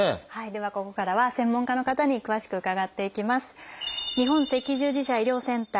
ではここからは専門家の方に詳しく伺っていきます。